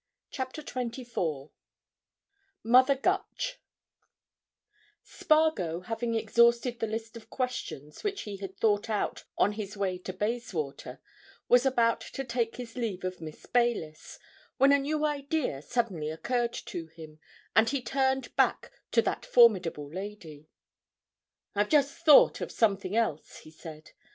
CHAPTER TWENTY FOUR MOTHER GUTCH Spargo, having exhausted the list of questions which he had thought out on his way to Bayswater, was about to take his leave of Miss Baylis, when a new idea suddenly occurred to him, and he turned back to that formidable lady. "I've just thought of something else," he said.